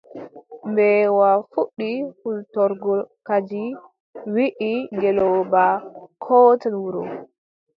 Mbeewa fuɗɗi hultorgo kadi, wiʼi ngeelooba: kooten wuro.